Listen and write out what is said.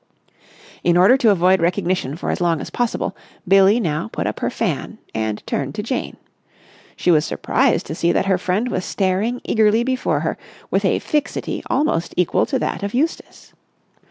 In order to avoid recognition for as long as possible, Billie now put up her fan and turned to Jane. She was surprised to see that her friend was staring eagerly before her with a fixity almost equal to that of Eustace.